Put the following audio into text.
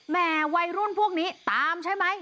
วัยรุ่นพวกนี้ตามใช่ไหม